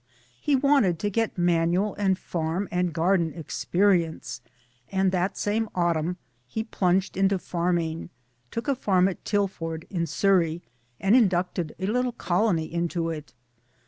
He wanted to get manual and farm and garden experience, and that same autumn he plunged into farming took a farm at Tilford in Surrey, and in ducted a little colony into it.